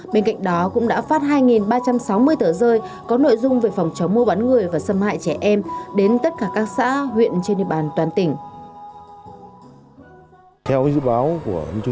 bên cạnh đó cũng đã phát hai ba trăm sáu mươi tờ rơi có nội dung về phòng chống mua bán người và xâm hại trẻ em đến tất cả các xã huyện trên địa bàn toàn tỉnh